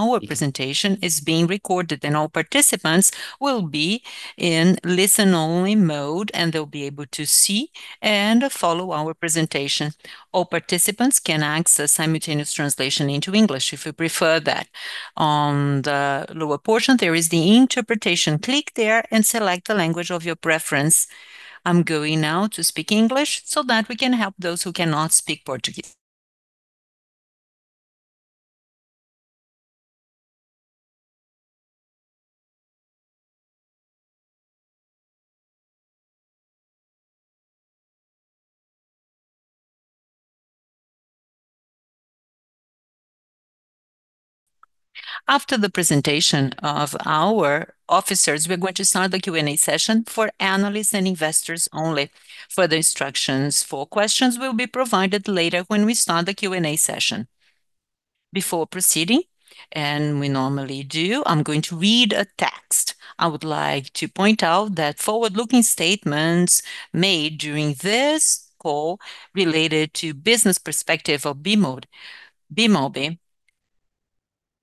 Our presentation is being recorded and all participants will be in listen-only mode, and they'll be able to see and follow our presentation. All participants can access simultaneous translation into English if you prefer that. On the lower portion, there is the Interpretation. Click there and select the language of your preference. I'm going now to speak English so that we can help those who cannot speak Portuguese. After the presentation of our officers, we're going to start the Q&A session for analysts and investors only. Further instructions for questions will be provided later when we start the Q&A session. Before proceeding, we normally do, I'm going to read a text. I would like to point out that forward-looking statements made during this call related to business perspective of Bemobi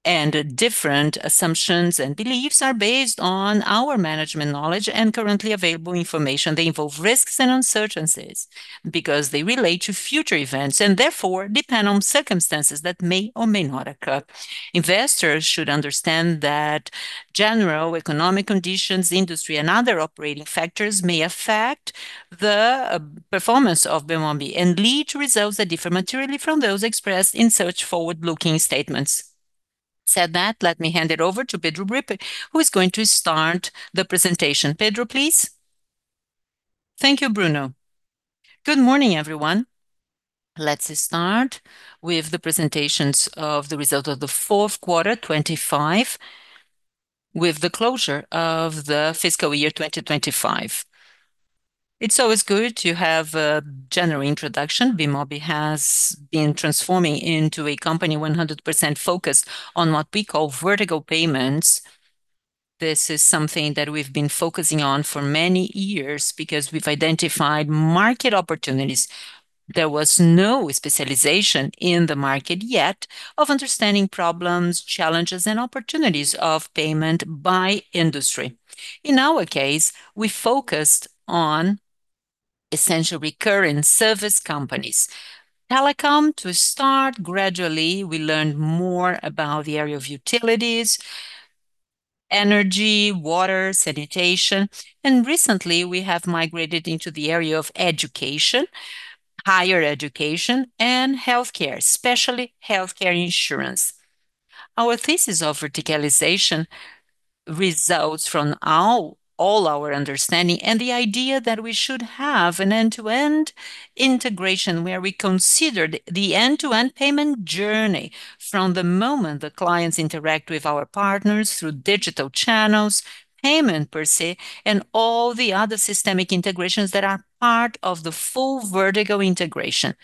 and the different assumptions and beliefs are based on our management knowledge and currently available information. They involve risks and uncertainties because they relate to future events, and therefore depend on circumstances that may or may not occur. Investors should understand that general economic conditions, industry, and other operating factors may affect the performance of Bemobi and lead to results that differ materially from those expressed in such forward-looking statements. That said, let me hand it over to Pedro Ripper, who is going to start the presentation. Pedro, please. Thank you, Bruno. Good morning, everyone. Let's start with the presentation of the results of the fourth quarter 2025 with the closure of the fiscal year 2025. It's always good to have a general introduction. Bemobi has been transforming into a company 100% focused on what we call vertical payments. This is something that we've been focusing on for many years because we've identified market opportunities. There was no specialization in the market yet of understanding problems, challenges, and opportunities of payment by industry. In our case, we focused on essential recurring service companies. Telecom to start. Gradually, we learned more about the area of utilities, energy, water, sanitation, and recently we have migrated into the area of education, higher education, and healthcare, especially healthcare insurance. Our thesis of verticalization results from all our understanding and the idea that we should have an end-to-end integration where we considered the end-to-end payment journey from the moment the clients interact with our partners through digital channels, payment per se, and all the other systemic integrations that are part of the full vertical integration.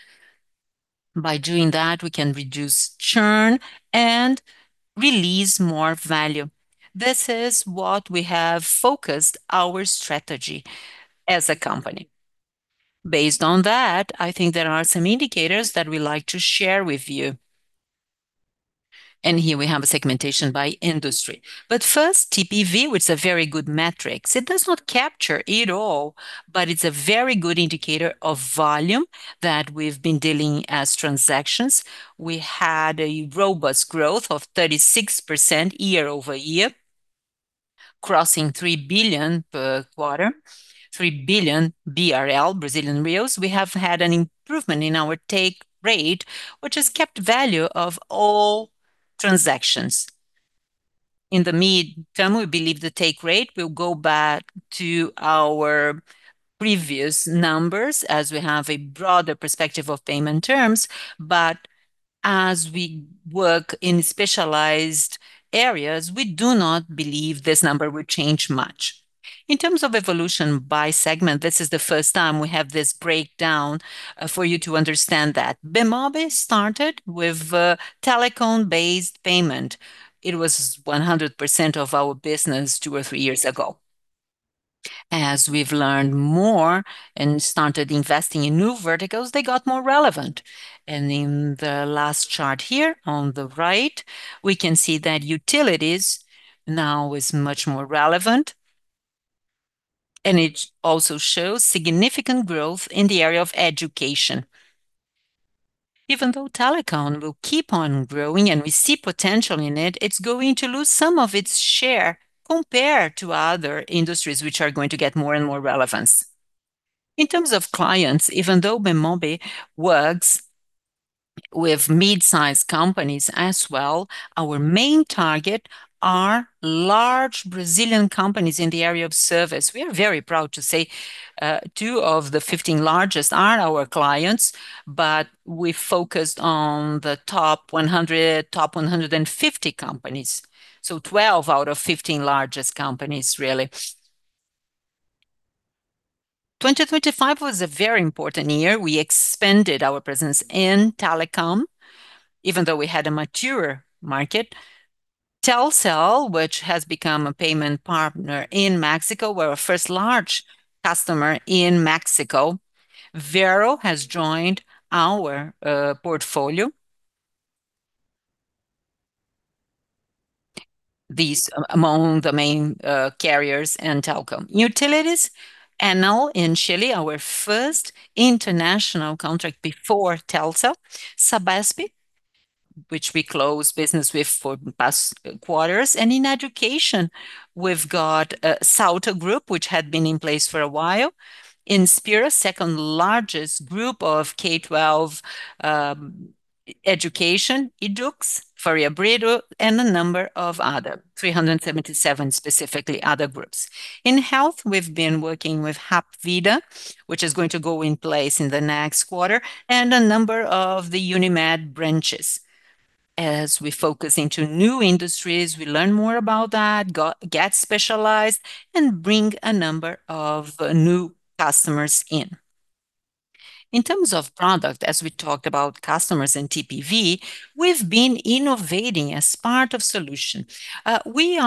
By doing that, we can reduce churn and release more value. This is what we have focused our strategy as a company. Based on that, I think there are some indicators that we like to share with you. Here we have a segmentation by industry. First, TPV, which is a very good metric. It does not capture it all, but it's a very good indicator of volume that we've been dealing as transactions. We had a robust growth of 36% year-over-year, crossing 3 billion per quarter, 3 billion BRL, Brazilian reals. We have had an improvement in our take rate, which has captured the value of all transactions. In the midterm, we believe the take rate will go back to our previous numbers as we have a broader perspective of payment terms. As we work in specialized areas, we do not believe this number will change much. In terms of evolution by segment, this is the first time we have this breakdown for you to understand that Bemobi started with telecom-based payment. It was 100% of our business two or three years ago. As we've learned more and started investing in new verticals, they got more relevant. In the last chart here on the right, we can see that utilities now is much more relevant, and it also shows significant growth in the area of education. Even though telecom will keep on growing and we see potential in it's going to lose some of its share compared to other industries which are going to get more and more relevance. In terms of clients, even though Bemobi works with mid-sized companies as well, our main target are large Brazilian companies in the area of service. We are very proud to say, two of the 15 largest are our clients, but we focused on the top 100, top 150 companies. 12 out of 15 largest companies really. 2025 was a very important year. We expanded our presence in telecom, even though we had a mature market. Telcel, which has become a payment partner in Mexico, were our first large customer in Mexico. Vero has joined our portfolio. These among the main carriers and telecom. Utilities, Enel in Chile, our first international contract before Telcel. Sabesp, which we closed business with for the past quarters. In education, we've got SOU Educação, which had been in place for a while. Inspira, second largest group of K-12 education, YDUQS, Colégio Farias Brito, and a number of other 377 specifically other groups. In health, we've been working with Hapvida, which is going to go in place in the next quarter, and a number of the Unimed branches. As we focus into new industries, we learn more about that, go get specialized, and bring a number of new customers in. In terms of product, as we talked about customers and TPV, we've been innovating as part of solution. We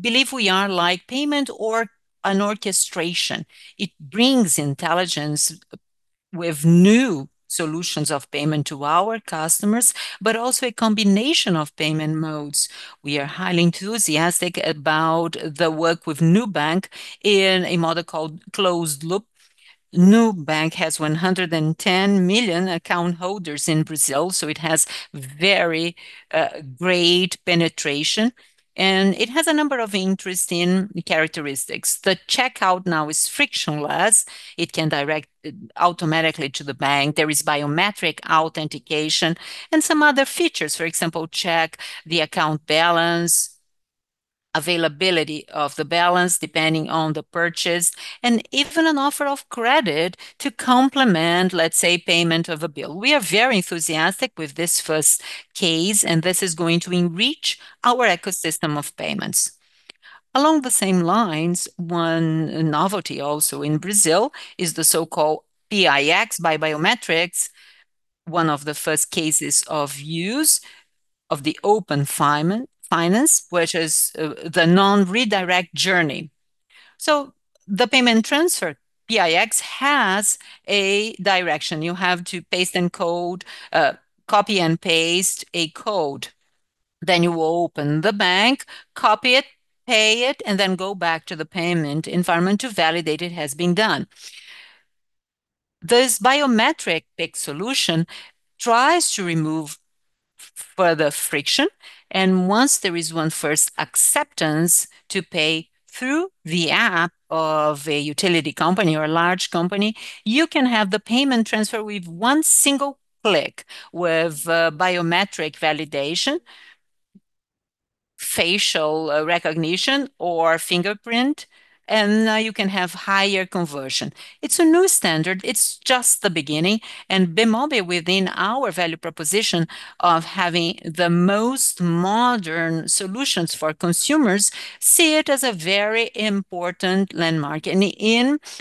believe we are like payment or an orchestration. It brings intelligence with new solutions of payment to our customers, but also a combination of payment modes. We are highly enthusiastic about the work with Nubank in a model called Closed-Loop. Nubank has 110 million account holders in Brazil, so it has very great penetration, and it has a number of interesting characteristics. The checkout now is frictionless. It can direct automatically to the bank. There is biometric authentication and some other features. For example, check the account balance, availability of the balance depending on the purchase, and even an offer of credit to complement, let's say, payment of a bill. We are very enthusiastic with this first case, and this is going to enrich our ecosystem of payments. Along the same lines, one novelty also in Brazil is the so-called PIX Biometrics, one of the first cases of use of the Open Finance, which is the non-redirect journey. The payment transfer, PIX, has a redirection. You have to paste in code, copy and paste a code. Then you open the bank, copy it, pay it, and then go back to the payment environment to validate it has been done. This Biometric PIX solution tries to remove further friction, and once there is one first acceptance to pay through the app of a utility company or a large company, you can have the payment transfer with one single click with biometric validation, facial recognition or fingerprint, and now you can have higher conversion. It's a new standard. It's just the beginning. Bemobi, within our value proposition of having the most modern solutions for consumers, see it as a very important landmark. In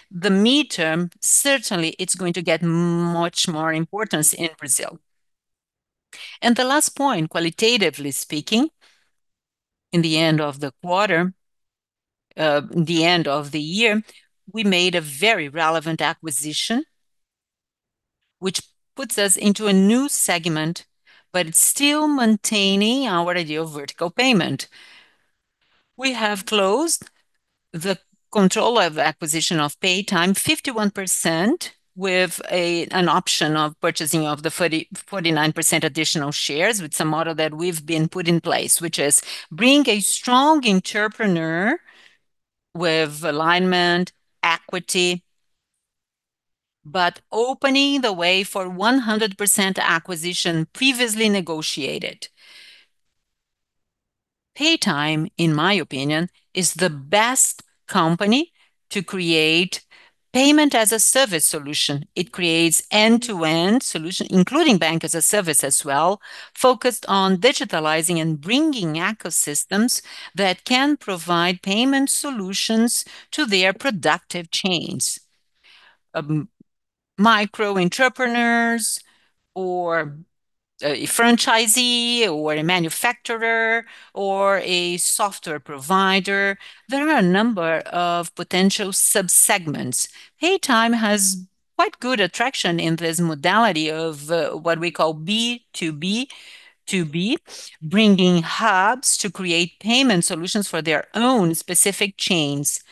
the midterm, certainly, it's going to get much more importance in Brazil. The last point, qualitatively speaking, in the end of the quarter, the end of the year, we made a very relevant acquisition which puts us into a new segment, but still maintaining our idea of vertical payment. We have closed the control of acquisition of Paytime, 51% with an option of purchasing of the 49% additional shares with some model that we've put in place, which is bringing a strong entrepreneur with alignment, equity, but opening the way for 100% acquisition previously negotiated. Paytime, in my opinion, is the best company to create payment-as-a-service solution. It creates end-to-end solution, including Bank-as-a-Service as well, focused on digitizing and bringing ecosystems that can provide payment solutions to their productive chains. Micro entrepreneurs or a franchisee or a manufacturer or a software provider, there are a number of potential sub-segments. Paytime has quite good attraction in this modality of what we call B2B2B, bringing hubs to create payment solutions for their own specific chains.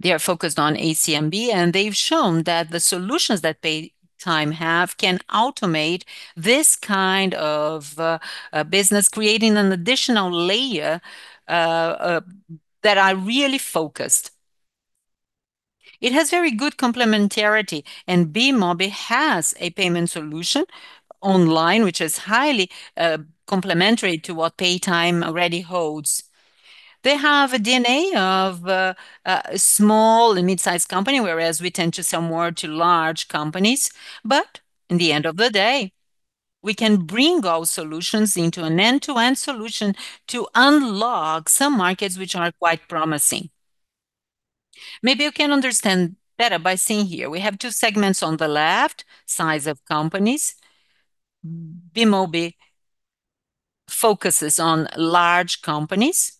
They are focused on SMB, and they've shown that the solutions that Paytime have can automate this kind of business, creating an additional layer that are really focused. It has very good complementarity, and Bemobi has a payment solution online which is highly complementary to what Paytime already holds. They have a DNA of small and mid-sized company, whereas we tend to sell more to large companies. In the end of the day, we can bring our solutions into an end-to-end solution to unlock some markets which are quite promising. Maybe you can understand better by seeing here. We have two segments on the left, size of companies. Bemobi focuses on large companies.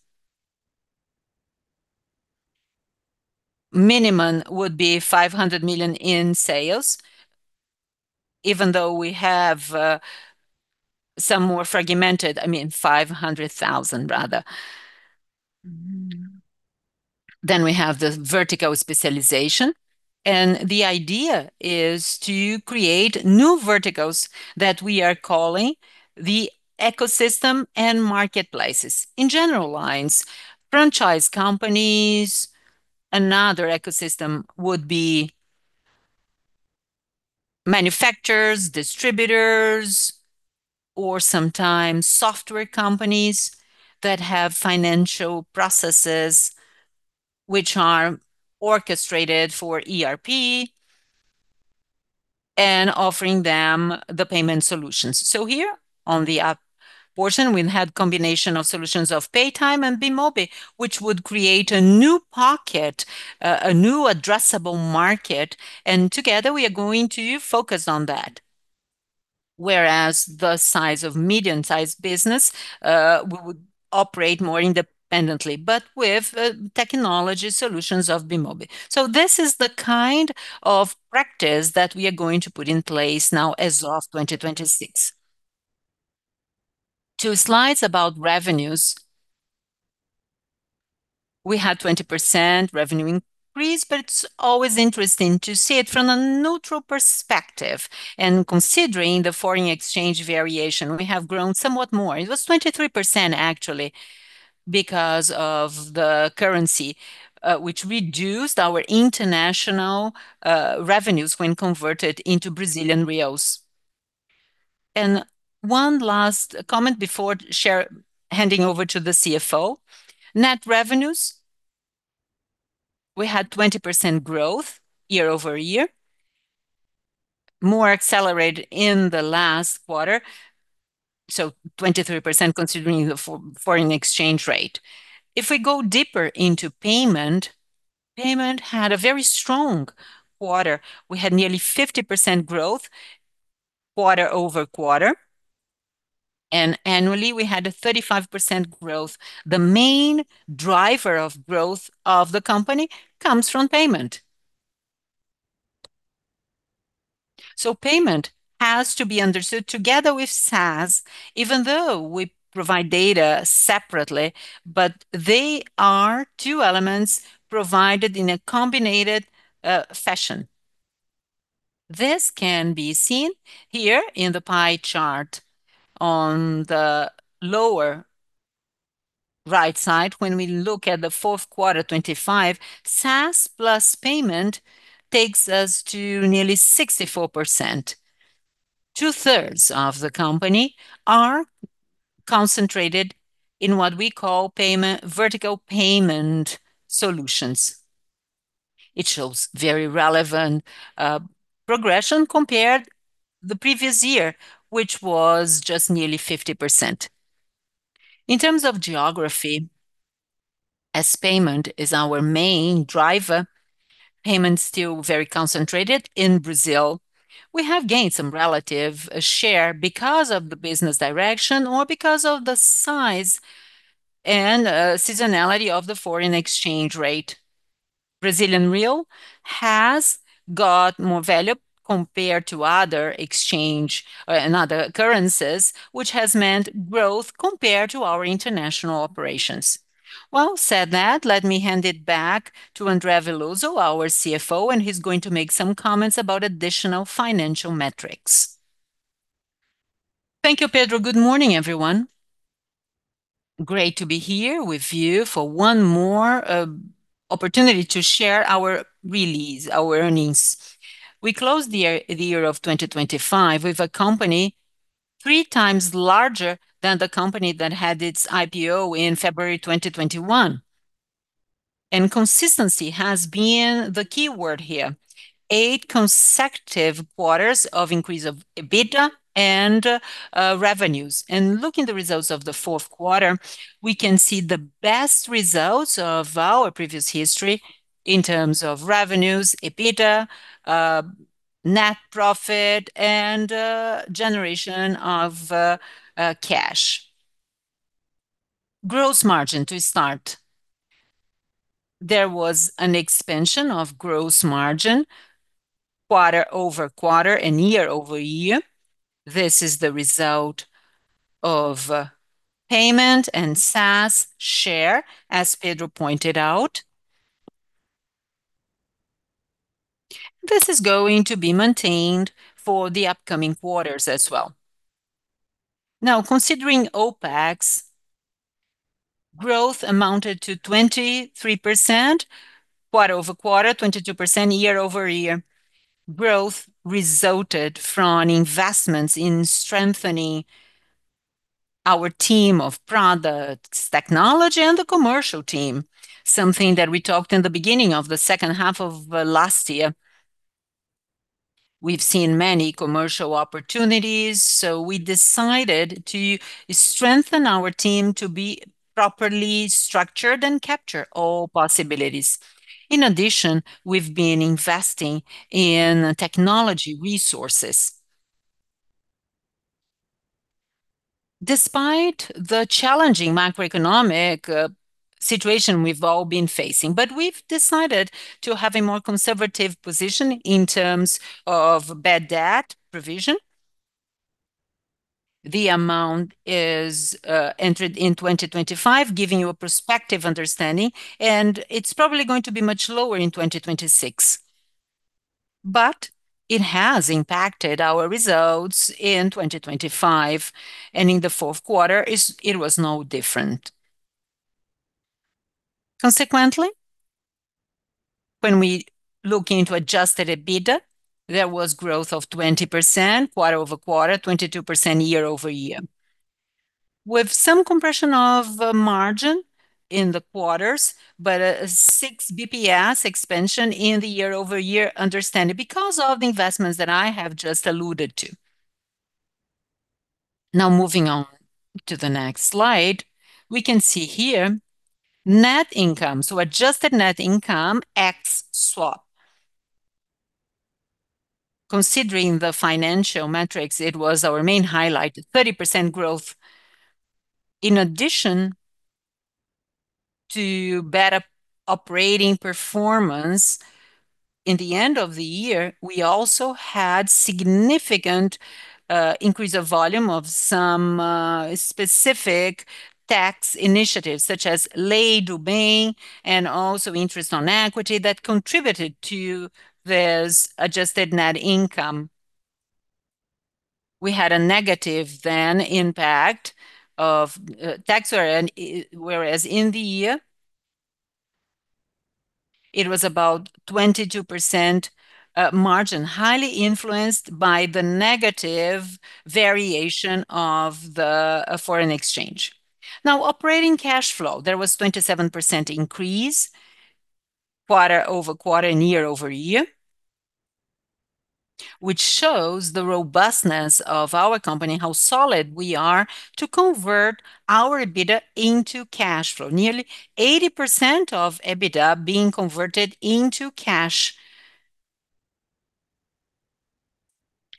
Minimum would be 500 million in sales, even though we have some more fragmented. I mean 500 thousand rather. We have the vertical specialization, and the idea is to create new verticals that we are calling the ecosystem and marketplaces. In general lines, franchise companies. Another ecosystem would be manufacturers, distributors or sometimes software companies that have financial processes which are orchestrated for ERP and offering them the payment solutions. Here on the up portion, we had combination of solutions of Paytime and Bemobi, which would create a new pocket, a new addressable market, and together we are going to focus on that. Whereas the size of medium-sized business, we would operate more independently, but with technology solutions of Bemobi. This is the kind of practice that we are going to put in place now as of 2026. Two slides about revenues. We had 20% revenue increase, but it's always interesting to see it from a neutral perspective. Considering the foreign exchange variation, we have grown somewhat more. It was 23% actually because of the currency, which reduced our international revenues when converted into Brazilian reals. One last comment before handing over to the CFO. Net revenues, we had 20% growth year-over-year. More accelerated in the last quarter, so 23% considering the foreign exchange rate. If we go deeper into payment had a very strong quarter. We had nearly 50% growth quarter-over-quarter, and annually, we had a 35% growth. The main driver of growth of the company comes from payment. Payment has to be understood together with SaaS, even though we provide data separately, but they are two elements provided in a combined fashion. This can be seen here in the pie chart on the lower right side. When we look at the fourth quarter 2025, SaaS plus payment takes us to nearly 64%. Two-thirds of the company are concentrated in what we call payment vertical payment solutions. It shows very relevant progression compared to the previous year, which was just nearly 50%. In terms of geography, as payment is our main driver, payment's still very concentrated in Brazil. We have gained some relative share because of the business direction or because of the size and seasonality of the foreign exchange rate. Brazilian real has got more value compared to other exchange and other currencies, which has meant growth compared to our international operations. That said, let me hand it back to André Veloso, our CFO, and he's going to make some comments about additional financial metrics. Thank you, Pedro. Good morning, everyone. Great to be here with you for one more opportunity to share our release, our earnings. We closed the year of 2025 with a company three times larger than the company that had its IPO in February 2021, and consistency has been the key word here. Eight consecutive quarters of increase of EBITDA and revenues. Looking at the results of the fourth quarter, we can see the best results of our previous history in terms of revenues, EBITDA, net profit and generation of cash. Gross margin to start. There was an expansion of gross margin quarter-over-quarter and year-over-year. This is the result of payment and SaaS share, as Pedro pointed out. This is going to be maintained for the upcoming quarters as well. Now considering OpEx, growth amounted to 23% quarter-over-quarter, 22% year-over-year. Growth resulted from investments in strengthening our team of products, technology and the commercial team, something that we talked in the beginning of the second half of last year. We've seen many commercial opportunities, so we decided to strengthen our team to be properly structured and capture all possibilities. In addition, we've been investing in technology resources. Despite the challenging macroeconomic situation we've all been facing, but we've decided to have a more conservative position in terms of bad debt provision. The amount is entered in 2025, giving you a prospective understanding, and it's probably going to be much lower in 2026. It has impacted our results in 2025, and in the fourth quarter, it was no different. Consequently, when we look into Adjusted EBITDA, there was growth of 20% quarter-over-quarter, 22% year-over-year. With some compression of margin in the quarters, but a 6 BPS expansion in the year-over-year understanding because of the investments that I have just alluded to. Now, moving on to the next slide. We can see here net income, so adjusted net income ex swap. Considering the financial metrics, it was our main highlight at 30% growth. In addition to better operating performance in the end of the year, we also had significant increase of volume of some specific tax initiatives such as Lei do Bem and also interest on equity that contributed to this adjusted net income. We had a negative impact of tax, whereas in the year, it was about 22% margin, highly influenced by the negative variation of the foreign exchange. Now, operating cash flow, there was 27% increase quarter-over-quarter and year-over-year, which shows the robustness of our company, how solid we are to convert our EBITDA into cash flow. Nearly 80% of EBITDA being converted into cash.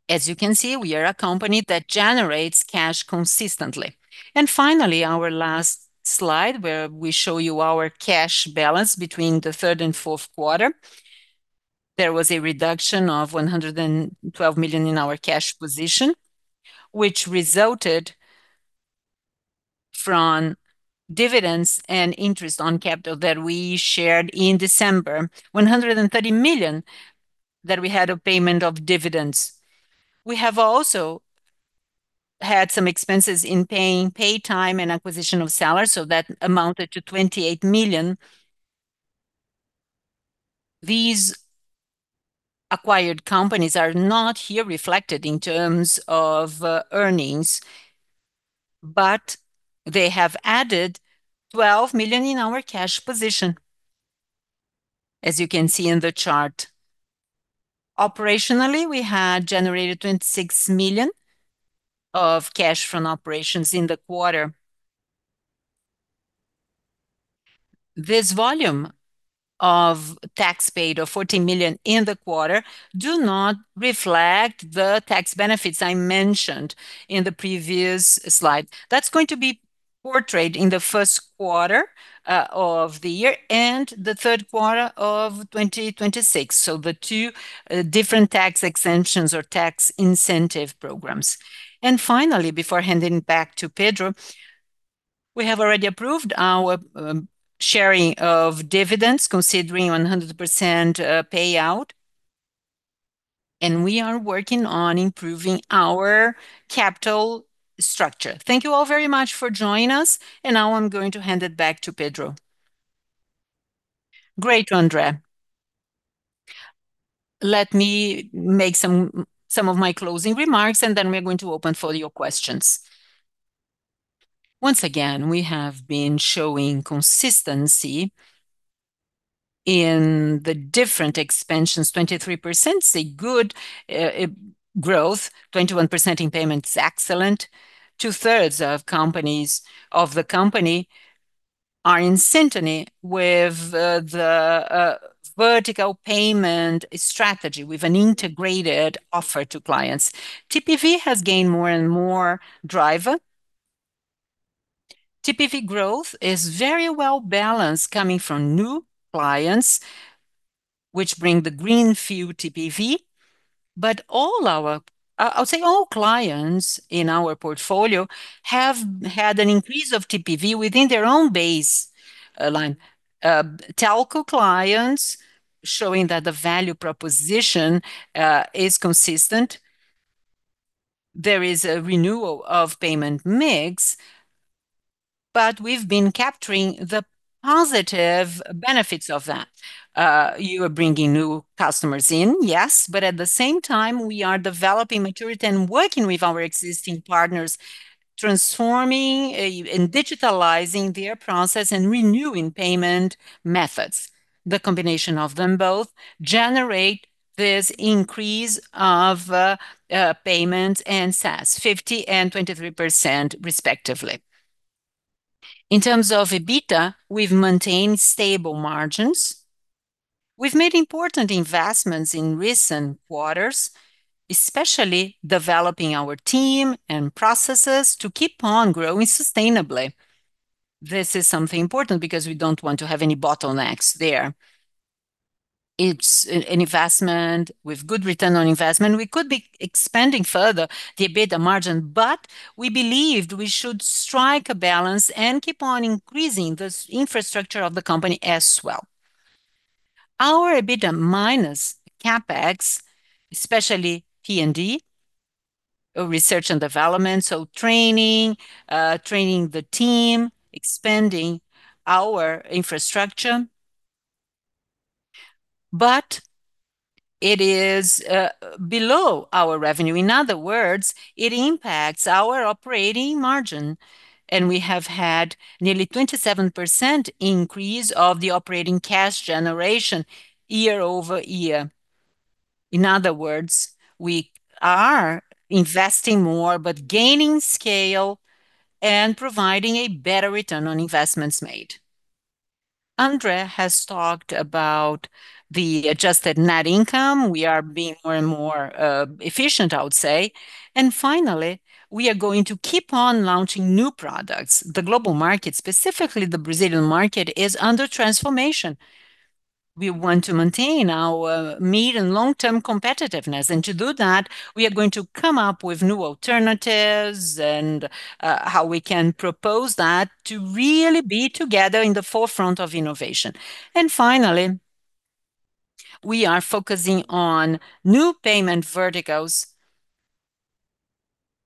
As you can see, we are a company that generates cash consistently. Finally, our last slide, where we show you our cash balance between the third and fourth quarter. There was a reduction of 112 million in our cash position, which resulted from dividends and interest on equity that we shared in December. 130 million that we had a payment of dividends. We have also had some expenses in paying Paytime and acquisition of Celer, so that amounted to 28 million. These acquired companies are not here reflected in terms of earnings, but they have added 12 million in our cash position as you can see in the chart. Operationally, we had generated 26 million of cash from operations in the quarter. This volume of tax paid of 14 million in the quarter do not reflect the tax benefits I mentioned in the previous slide. That's going to be portrayed in the first quarter of the year and the third quarter of 2026, so the two different tax exemptions or tax incentive programs. Finally, before handing back to Pedro, we have already approved our sharing of dividends considering 100% payout, and we are working on improving our capital structure. Thank you all very much for joining us, and now I'm going to hand it back to Pedro. Great, André. Let me make some of my closing remarks, and then we're going to open for your questions. Once again, we have been showing consistency in the different expansions. 23% is a good growth. 21% in payments is excellent. Two-thirds of the company are in synchrony with the vertical payment strategy with an integrated offer to clients. TPV has gained more and more drive. TPV growth is very well-balanced coming from new clients, which bring the greenfield TPV. All our I'll say all clients in our portfolio have had an increase of TPV within their own baseline. Telco clients showing that the value proposition is consistent. There is a renewal of payment mix, but we've been capturing the positive benefits of that. You are bringing new customers in, yes, but at the same time, we are developing maturity and working with our existing partners, transforming and digitalizing their process and renewing payment methods. The combination of them both generate this increase of payments and SaaS 50% and 23% respectively. In terms of EBITDA, we've maintained stable margins. We've made important investments in recent quarters, especially developing our team and processes to keep on growing sustainably. This is something important because we don't want to have any bottlenecks there. It's an investment with good return on investment. We could be expanding further the EBITDA margin, but we believed we should strike a balance and keep on increasing the infrastructure of the company as well. Our EBITDA minus CapEx, especially P&D, research and development, so training the team, expanding our infrastructure. It is below our revenue. In other words, it impacts our operating margin, and we have had nearly 27% increase of the operating cash generation year-over-year. In other words, we are investing more, but gaining scale and providing a better return on investments made. André has talked about the adjusted net income. We are being more and more efficient, I would say. Finally, we are going to keep on launching new products. The global market, specifically the Brazilian market, is under transformation. We want to maintain our mid- and long-term competitiveness. To do that, we are going to come up with new alternatives and how we can propose that to really be together in the forefront of innovation. Finally, we are focusing on new payment verticals.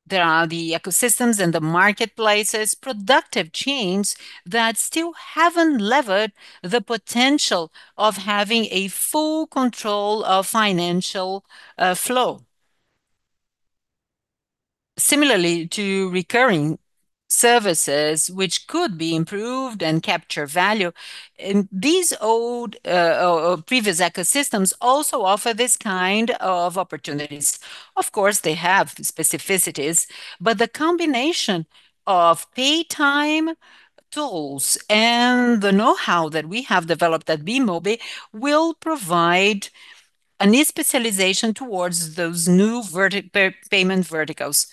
There are the ecosystems and the marketplaces, productive chains that still haven't leveraged the potential of having a full control of financial flow. Similarly to recurring services which could be improved and capture value, and these old or previous ecosystems also offer this kind of opportunities. Of course, they have specificities, but the combination of Paytime tools and the know-how that we have developed at Bemobi will provide a niche specialization towards those new payment verticals.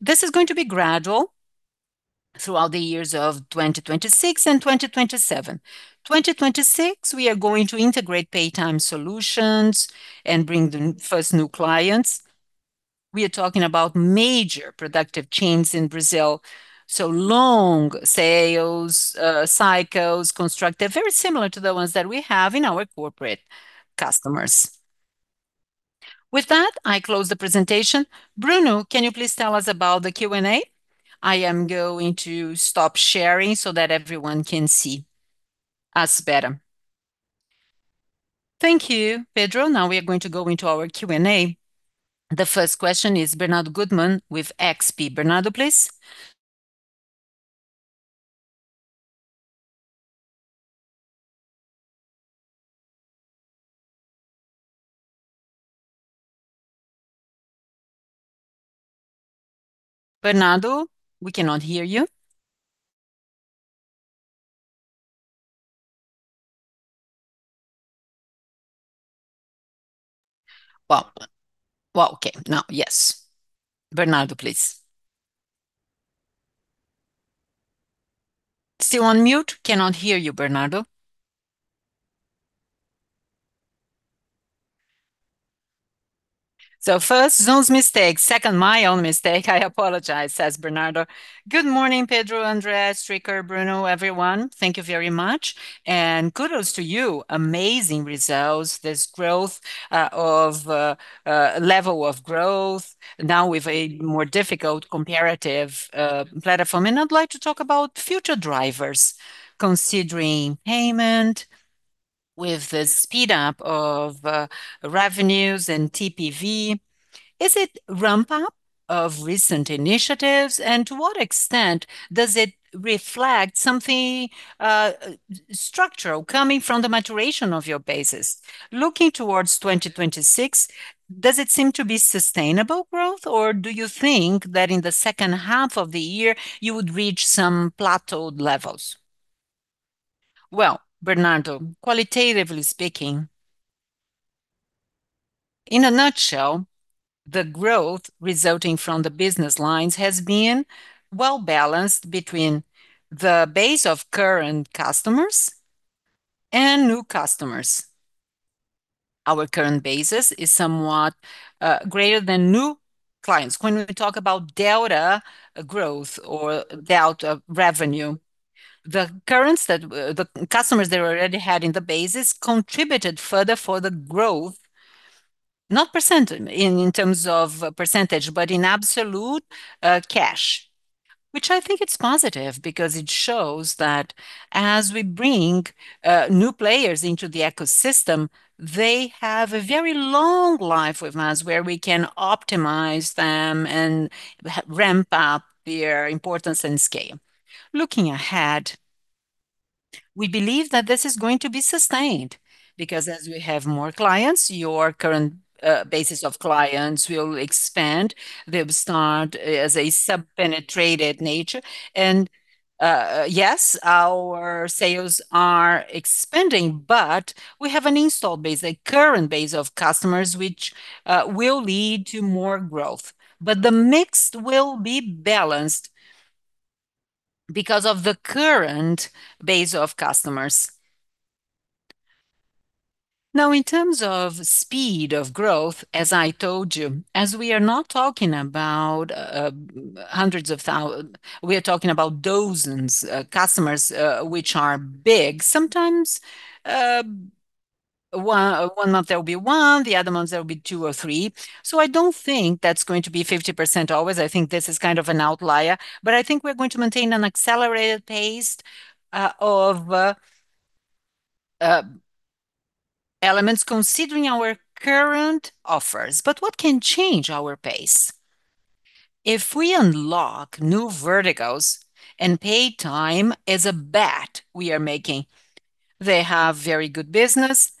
This is going to be gradual throughout the years of 2026 and 2027. 2026, we are going to integrate Paytime solutions and bring the first new clients. We are talking about major productive chains in Brazil, so long sales cycles constructed very similar to the ones that we have in our corporate customers. With that, I close the presentation. Bruno, can you please tell us about the Q&A? I am going to stop sharing so that everyone can see us better. Thank you, Pedro. Now we are going to go into our Q&A. The first question is Bernardo Guttmann with XP. Bernardo, please. Bernardo, we cannot hear you. Well, okay. Now, yes. Bernardo, please. Still on mute. Cannot hear you, Bernardo. So first, Zoom's mistake. Second, my own mistake. I apologize. Good morning, Pedro, André, Stricker, Bruno, everyone. Thank you very much. Kudos to you. Amazing results. This growth of level of growth now with a more difficult comparative platform. I'd like to talk about future drivers considering payment with the speed up of revenues and TPV. Is it ramp up of recent initiatives, and to what extent does it reflect something structural coming from the maturation of your bases? Looking towards 2026, does it seem to be sustainable growth, or do you think that in the second half of the year you would reach some plateaued levels? Well, Bernardo, qualitatively speaking, in a nutshell, the growth resulting from the business lines has been well-balanced between the base of current customers and new customers. Our current bases is somewhat greater than new clients. When we talk about delta growth or delta revenue, the current customers they already had in the bases contributed further for the growth, not in percent, in terms of percentage, but in absolute cash, which I think it's positive because it shows that as we bring new players into the ecosystem, they have a very long life with us where we can optimize them and ramp up their importance and scale. Looking ahead, we believe that this is going to be sustained because as we have more clients, our current basis of clients will expand. They'll start as a sub-penetrated nature. Our sales are expanding, but we have an install base, a current base of customers which will lead to more growth. The mix will be balanced because of the current base of customers. Now, in terms of speed of growth, as I told you, we are not talking about hundreds of thousands. We are talking about dozens of customers, which are big. Sometimes, one month there will be one, the other months there will be two or three. I don't think that's going to be 50% always. I think this is kind of an outlier. I think we're going to maintain an accelerated pace of elements considering our current offers. What can change our pace? If we unlock new verticals and Paytime as a bet we are making, they have very good business,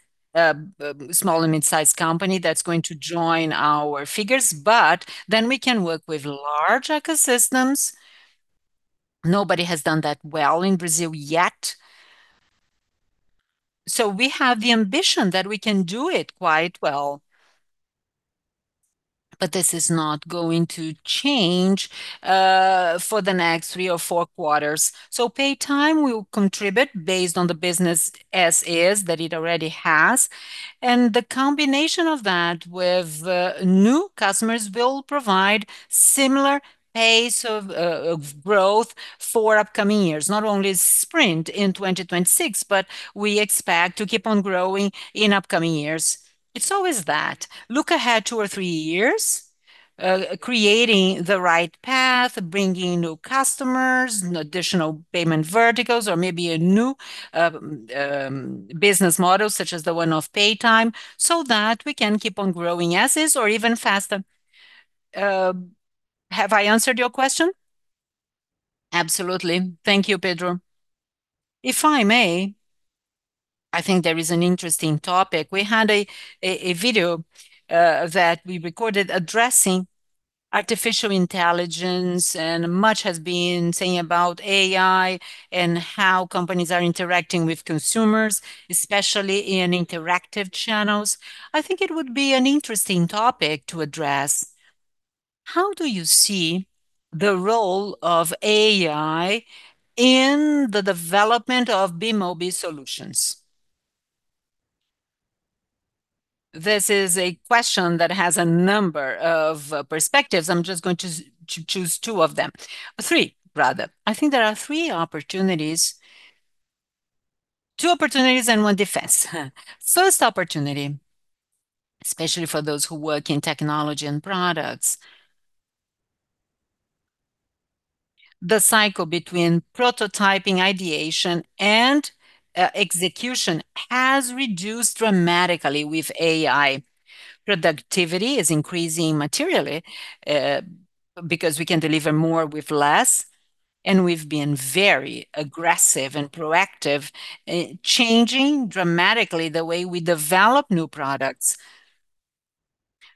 small to mid-sized company that's going to join our figures, but then we can work with large ecosystems. Nobody has done that well in Brazil yet. We have the ambition that we can do it quite well, but this is not going to change for the next three or four quarters. Paytime will contribute based on the business as is that it already has. The combination of that with new customers will provide similar pace of growth for upcoming years, not only sprint in 2026, but we expect to keep on growing in upcoming years. It's always that. Look ahead two or three years, creating the right path, bringing new customers and additional payment verticals or maybe a new business model, such as the one of Paytime, so that we can keep on growing as is or even faster. Have I answered your question? Absolutely. Thank you, Pedro. If I may, I think there is an interesting topic. We had a video that we recorded addressing artificial intelligence, and much has been said about AI and how companies are interacting with consumers, especially in interactive channels. I think it would be an interesting topic to address. How do you see the role of AI in the development of Bemobi solutions? This is a question that has a number of perspectives. I'm just going to choose two of them. Three, rather. I think there are three opportunities. Two opportunities and one defense. First opportunity, especially for those who work in technology and products. The cycle between prototyping, ideation, and execution has reduced dramatically with AI. Productivity is increasing materially, because we can deliver more with less, and we've been very aggressive and proactive in changing dramatically the way we develop new products,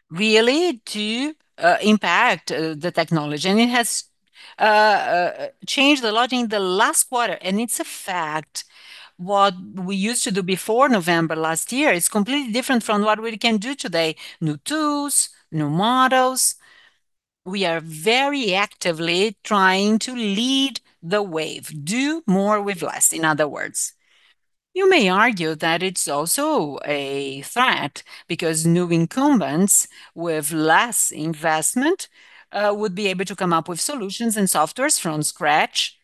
really to impact the technology. It has changed a lot in the last quarter, and it's a fact what we used to do before November last year is completely different from what we can do today. New tools, new models. We are very actively trying to lead the wave, do more with less, in other words. You may argue that it's also a threat because new incumbents with less investment would be able to come up with solutions and softwares from scratch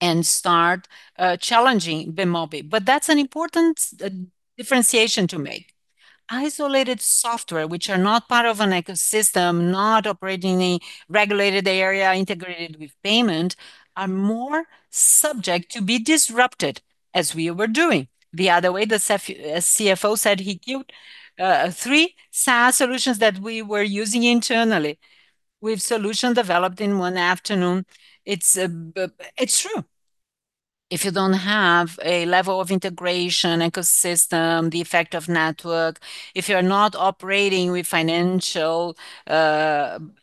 and start challenging Bemobi. But that's an important differentiation to make. Isolated software which are not part of an ecosystem, not operating in a regulated area integrated with payment, are more subject to be disrupted as we were doing. The other way, the CFO said, he killed three SaaS solutions that we were using internally with solution developed in one afternoon. It's true. If you don't have a level of integration, ecosystem, the effect of network, if you're not operating with financial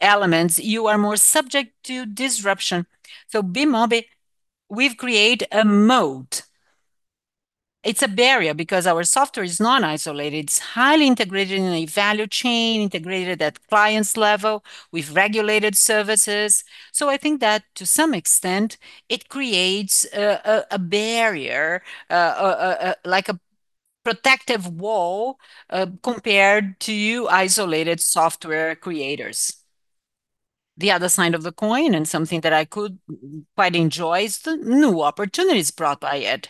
elements, you are more subject to disruption. Bemobi, we've created a moat. It's a barrier because our software is non-isolated. It's highly integrated in a value chain, integrated at clients' level with regulated services. I think that to some extent it creates a barrier, like a protective wall, compared to isolated software creators. The other side of the coin, and something that I could quite enjoy, is the new opportunities brought by it.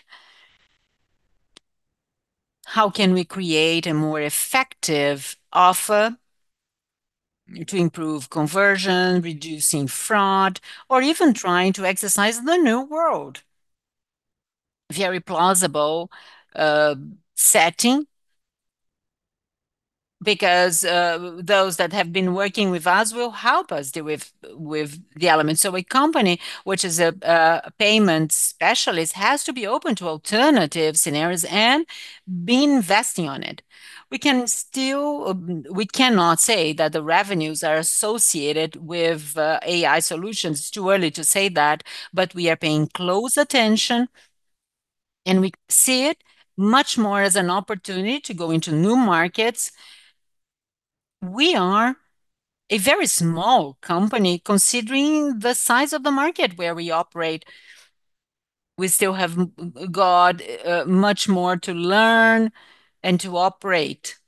How can we create a more effective offer to improve conversion, reducing fraud, or even trying to access the new world? Very plausible setting because those that have been working with us will help us deal with the elements. A company which is a payment specialist has to be open to alternative scenarios and be investing on it. We cannot say that the revenues are associated with AI solutions. It's too early to say that, but we are paying close attention, and we see it much more as an opportunity to go into new markets. We are a very small company considering the size of the market where we operate. We still have got much more to learn and to operate.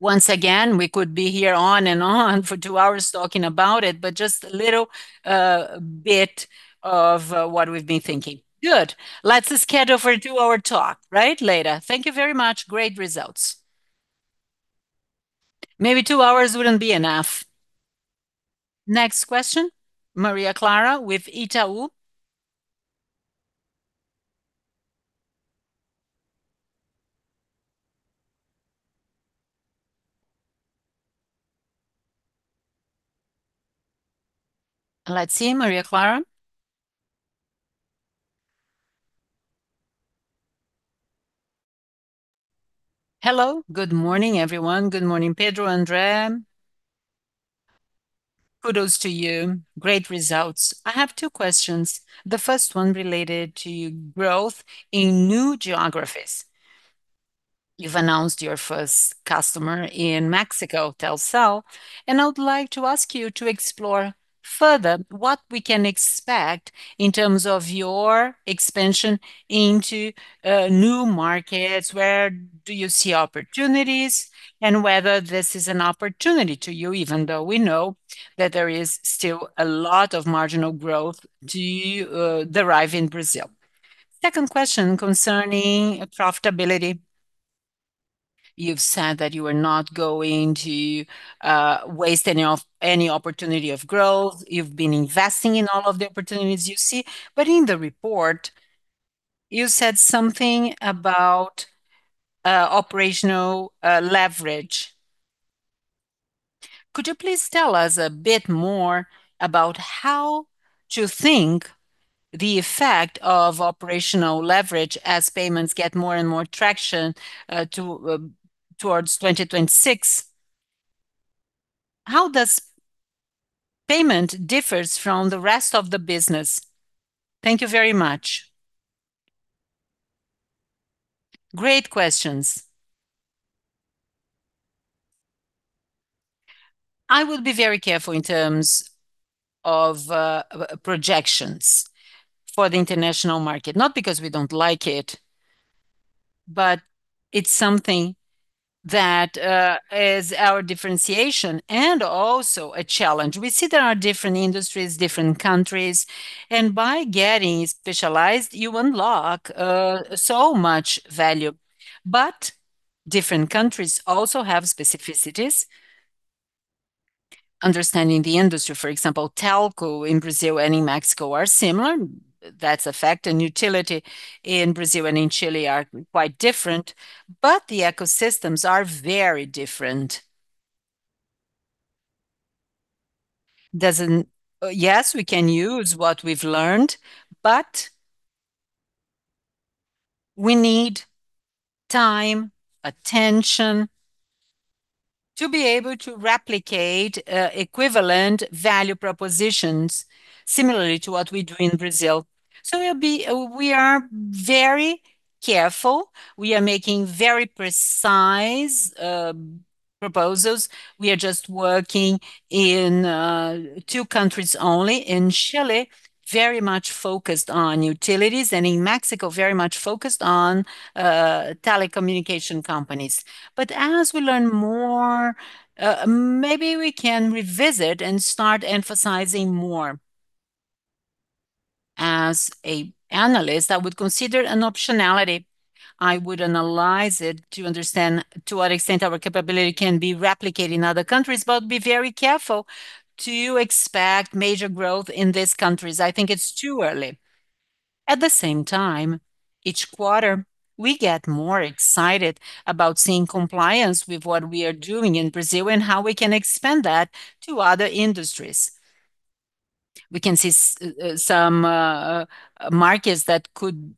Once again, we could be here on and on for two hours talking about it, but just a little bit of what we've been thinking. Good. Let's schedule for a two-hour talk, right, later. Thank you very much. Great results. Maybe two hours wouldn't be enough. Next question, Maria Clara with Itaú. Let's see, Maria Clara. Hello. Good morning, everyone. Good morning, Pedro, André. Kudos to you. Great results. I have two questions, the first one related to growth in new geographies. You've announced your first customer in Mexico, Telcel, and I would like to ask you to explore further what we can expect in terms of your expansion into new markets. Where do you see opportunities, and whether this is an opportunity to you even though we know that there is still a lot of marginal growth to derive in Brazil. Second question concerning profitability. You've said that you are not going to waste any opportunity of growth. You've been investing in all of the opportunities you see. In the report, you said something about operational leverage. Could you please tell us a bit more about how to think the effect of operational leverage as payments get more and more traction, towards 2026? How does payment differs from the rest of the business? Thank you very much. Great questions. I would be very careful in terms of projections for the international market. Not because we don't like it, but it's something that is our differentiation and also a challenge. We see there are different industries, different countries, and by getting specialized, you unlock so much value. Different countries also have specificities. Understanding the industry, for example, telco in Brazil and in Mexico are similar. That's a fact. Utility in Brazil and in Chile are quite different. The ecosystems are very different. Yes, we can use what we've learned, but we need time, attention to be able to replicate equivalent value propositions similarly to what we do in Brazil. It'll be. We are very careful. We are making very precise proposals. We are just working in two countries only. In Chile, very much focused on utilities, and in Mexico, very much focused on telecommunication companies. As we learn more, maybe we can revisit and start emphasizing more. As an analyst, I would consider an optionality. I would analyze it to understand to what extent our capability can be replicated in other countries, but be very careful to expect major growth in these countries. I think it's too early. At the same time, each quarter, we get more excited about seeing compliance with what we are doing in Brazil and how we can expand that to other industries. We can see some markets that could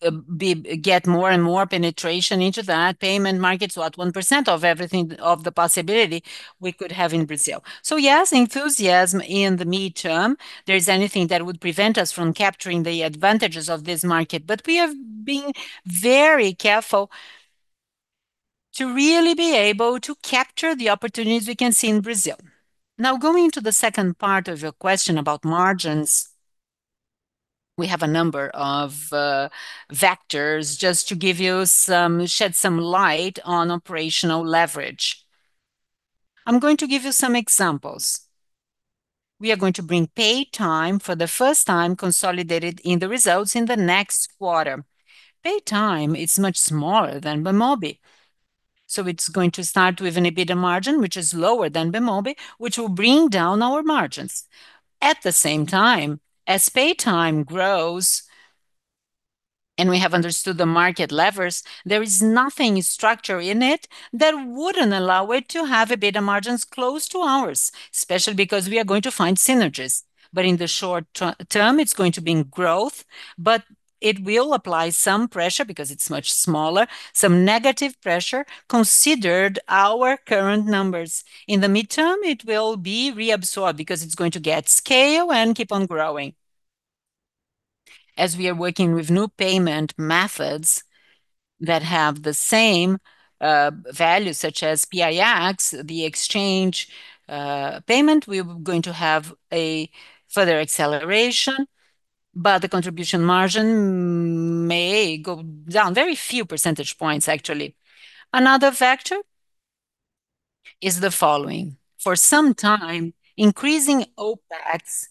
get more and more penetration into that payment markets, about 1% of everything of the possibility we could have in Brazil. Yes, enthusiasm in the medium term, there's nothing that would prevent us from capturing the advantages of this market. We have been very careful to really be able to capture the opportunities we can see in Brazil. Now, going to the second part of your question about margins, we have a number of vectors just to shed some light on operational leverage. I'm going to give you some examples. We are going to bring Paytime for the first time consolidated in the results in the next quarter. Paytime, it's much smaller than Bemobi, so it's going to start with an EBITDA margin which is lower than Bemobi, which will bring down our margins. At the same time, as Paytime grows and we have understood the market levers. There is nothing structural in it that wouldn't allow it to have a better margins close to ours, especially because we are going to find synergies. In the short term, it's going to be in growth, but it will apply some pressure because it's much smaller, some negative pressure considering our current numbers. In the midterm, it will be reabsorbed because it's going to get scale and keep on growing. As we are working with new payment methods that have the same value such as PIX, the exchange payment, we are going to have a further acceleration, but the contribution margin may go down very few percentage points actually. Another factor is the following. For some time, increasing OpEx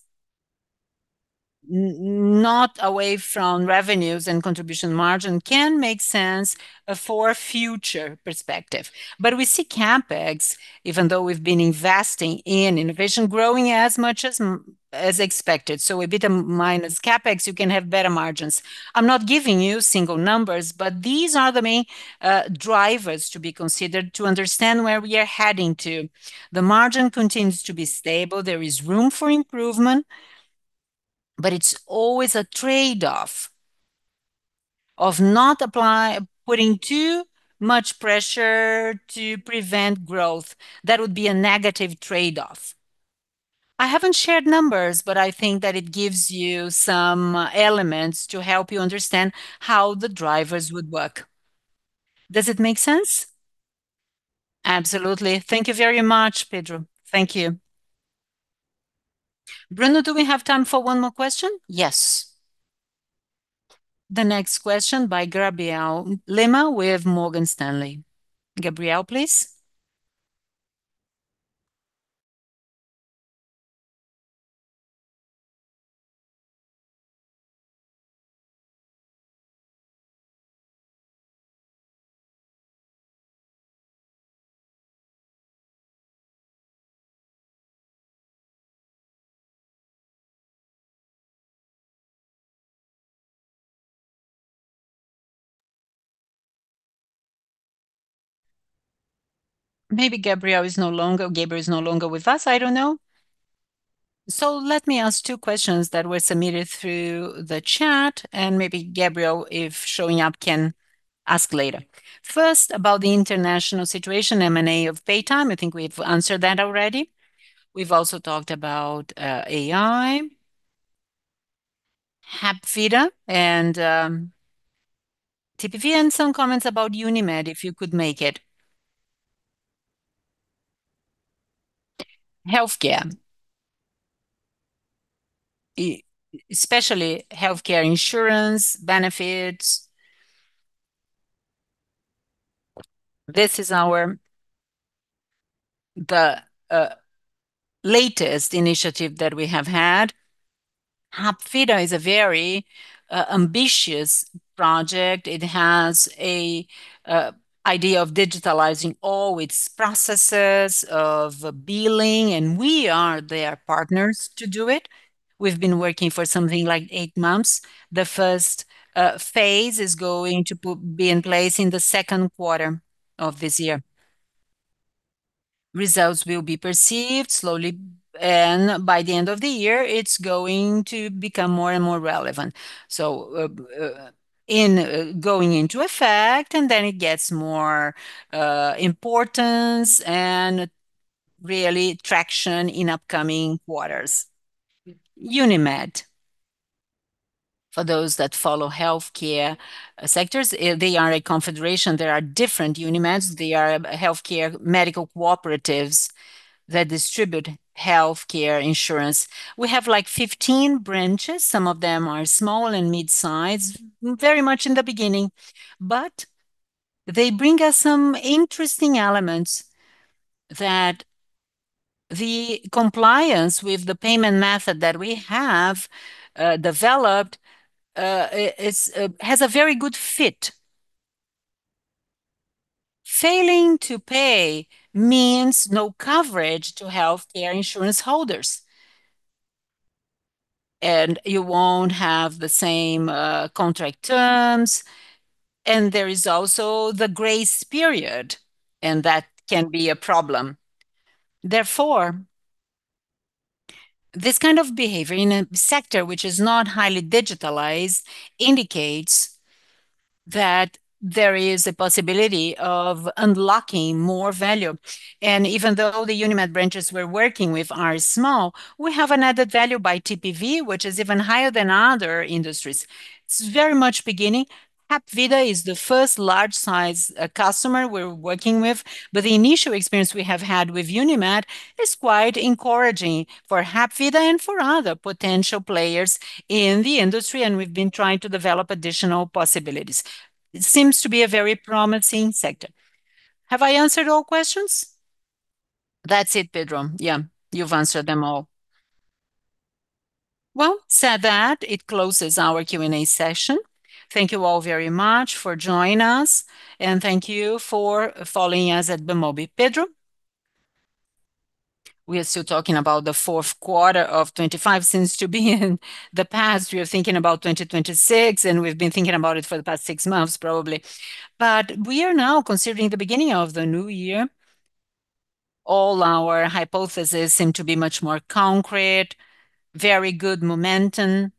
not away from revenues and contribution margin can make sense for future perspective. We see CapEx, even though we've been investing in innovation growing as much as expected. EBITDA minus CapEx, you can have better margins. I'm not giving you single numbers, but these are the main drivers to be considered to understand where we are heading to. The margin continues to be stable. There is room for improvement, but it's always a trade-off of not putting too much pressure to prevent growth. That would be a negative trade-off. I haven't shared numbers, but I think that it gives you some elements to help you understand how the drivers would work. Does it make sense? Absolutely. Thank you very much, Pedro. Thank you. Bruno, do we have time for one more question? Yes. The next question by Gabriel Vaz de Lima with Morgan Stanley. Gabriel, please. Maybe Gabriel is no longer with us. I don't know. Let me ask two questions that were submitted through the chat, and maybe Gabriel, if showing up, can ask later. First, about the international situation M&A of Paytime, I think we've answered that already. We've also talked about AI. Hapvida and TPV and some comments about Unimed, if you could make it. Healthcare. Especially healthcare insurance benefits. This is the latest initiative that we have had. Hapvida is a very ambitious project. It has an idea of digitizing all its processes of billing, and we are their partners to do it. We've been working for something like eight months. The first phase is going to be in place in the second quarter of this year. Results will be perceived slowly, and by the end of the year, it's going to become more and more relevant. It's going into effect, and then it gets more importance and really traction in upcoming quarters. Unimed, for those that follow healthcare sectors, they are a confederation. There are different Unimeds. They are healthcare medical cooperatives that distribute healthcare insurance. We have like 15 branches. Some of them are small and mid-size, very much in the beginning. But they bring us some interesting elements that the compliance with the payment method that we have developed, it has a very good fit. Failing to pay means no coverage to healthcare insurance holders, and you won't have the same contract terms, and there is also the grace period, and that can be a problem. Therefore, this kind of behavior in a sector which is not highly digitalized indicates that there is a possibility of unlocking more value. Even though the Unimed branches we're working with are small, we have an added value by TPV, which is even higher than other industries. It's very much beginning. Hapvida is the first large size customer we're working with, but the initial experience we have had with Unimed is quite encouraging for Hapvida and for other potential players in the industry, and we've been trying to develop additional possibilities. It seems to be a very promising sector. Have I answered all questions? That's it, Pedro. Yeah. You've answered them all. Well, that said, it closes our Q&A session. Thank you all very much for joining us, and thank you for following us at Bemobi. Pedro. We are still talking about the fourth quarter of 2025, which seems to be in the past. We are thinking about 2026, and we've been thinking about it for the past six months probably. We are now considering the beginning of the new year. All our hypotheses seem to be much more concrete, very good momentum,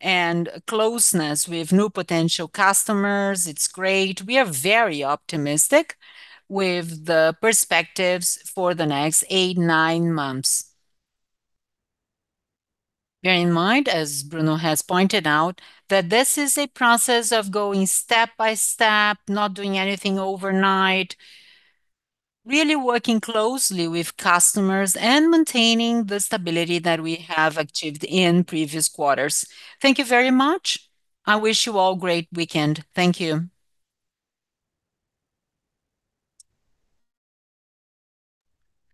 and closeness with new potential customers. It's great. We are very optimistic with the perspectives for the next eight, nine months. Bear in mind, as Bruno has pointed out, that this is a process of going step by step, not doing anything overnight, really working closely with customers and maintaining the stability that we have achieved in previous quarters. Thank you very much. I wish you all great weekend. Thank you.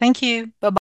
Thank you. Bye-bye.